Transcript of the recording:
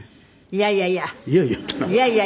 いやいやいやいや。